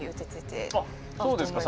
あっそうですか